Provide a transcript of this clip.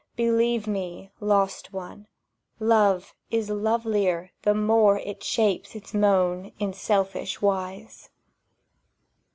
Believe me, Lost One, Love is lovelier The more it shapes its moan in selfish wise.